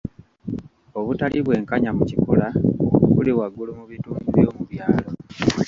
Obutali bwenkanya mu kikula kuli waggulu mu bitundu by'omu byalo.